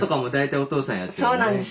そうなんです。